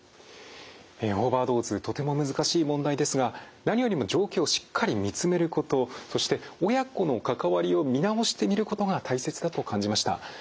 オーバードーズとても難しい問題ですが何よりも状況をしっかり見つめることそして親子の関わりを見直してみることが大切だと感じました。